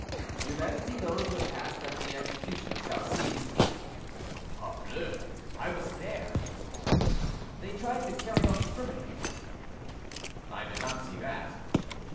"Your majesty knows what passed at the execution of Salcede?" "Parbleu! I was there." "They tried to carry off the criminal." "I did not see that."